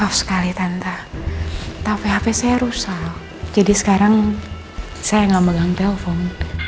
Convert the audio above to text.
maaf sekali tante tapi hp saya rusak jadi sekarang saya enggak megang telepon